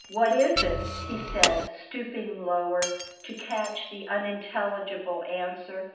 "What is it?" he said, stooping lower to catch the unintelligible answer.